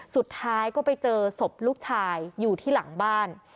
สุดท้ายก็ไปเจอศพลูกชายอยู่ที่หลังบ้าน